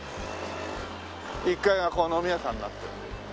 １階がこう飲み屋さんになってる。